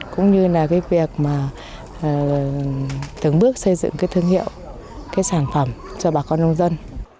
cũng như việc từng bước xây dựng thương hiệu sản phẩm cho bà con nông dân